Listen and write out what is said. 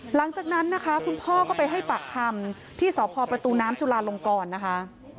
หลังจากนั้นนะคะคุณพ่อก็ไปให้ปากคำที่สพประตูน้ำจุลาลงกรนะคะ